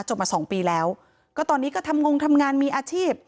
มาสองปีแล้วก็ตอนนี้ก็ทำงงทำงานมีอาชีพ